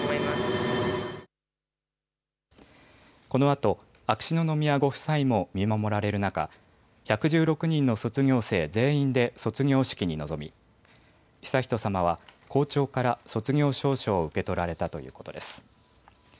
このあと秋篠宮ご夫妻も見守られる中、１１６人の卒業生全員で卒業式に臨み悠仁さまは校長から卒業証書を受け取られたということです。